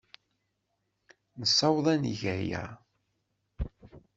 Nessaweḍ ad neg aya.